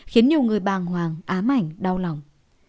khiến nhiều người bàng hoàng ám ảnh đau lòng